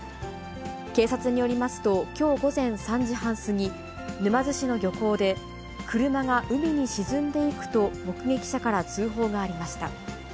警察によりますと、きょう午前３時半過ぎ、沼津市の漁港で、車が海に沈んでいくと、目撃者から通報がありました。